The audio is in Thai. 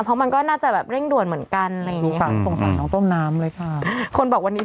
เพราะมันก็น่าจะเร่งด่วนเหมือนกัน